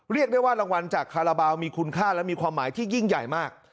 เรียกได้ว่ารางวัลจากคาราบาลมีคุณค่าและมีความหมายที่ยิ่งใหญ่มาก